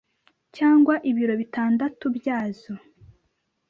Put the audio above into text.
cyangwa ibiro bitandatu byazo